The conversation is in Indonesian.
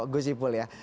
gus ipul ya